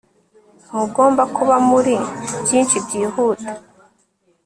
ntugomba kuba muri byinshi byihuta